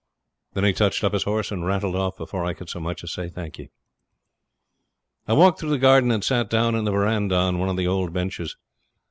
Then he touched up his horse and rattled off before I could so much as say 'Thank ye.' I walked through the garden and sat down in the verandah on one of the old benches.